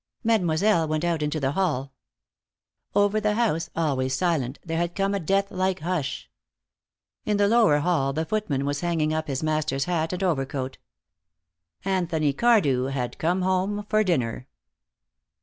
Mademoiselle went out into the hall. Over the house, always silent, there had come a death like hush. In the lower hall the footman was hanging up his master's hat and overcoat. Anthony Cardew had come home for dinner.